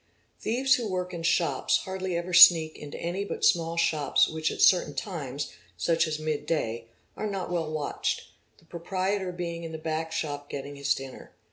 : Thieves who work in shops hardly ever sneak into any but small ) shops which at certain times, such as midday, are not well watched, the _ proprietor being in the back shop getting his dinner.